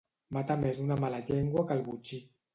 Mata més una mala llengua que el botxí.